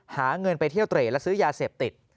หาเงินไปเที่ยวเตรดและซื้อยาเสพติด